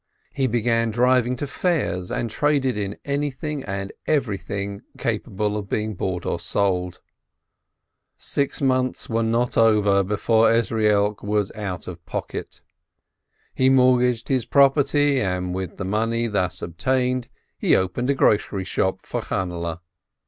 He began driving to fairs, and traded in anything and everything capable of being bought or sold. Six months were not over before Ezrielk was out of pocket. He mortgaged his property, and with the money thus obtained he opened a grocery shop for Channehle.